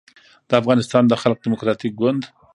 د افغانستان د خلق دیموکراتیک ګوند